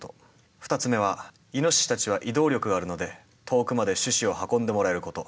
２つ目はイノシシたちは移動力があるので遠くまで種子を運んでもらえること。